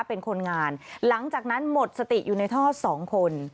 เป็นคนงานหลังจากนั้นหมดสติอยู่ในท่อสองคน